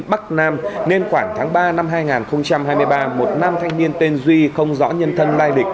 bắc nam nên khoảng tháng ba năm hai nghìn hai mươi ba một nam thanh niên tên duy không rõ nhân thân lai lịch